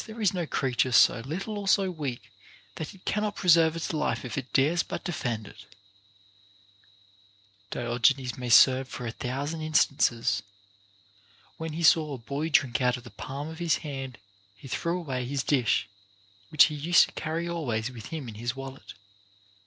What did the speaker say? there is no creature so little or so weak, that it cannot preserve its life if it dares but defend it Diogenes may serve for a thousand instances ; when he saw a boy drink out of the palm of his hand, he threw away his dish, which he used to carry always with him in his wallet.